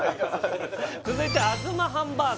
続いてあづまハンバーグ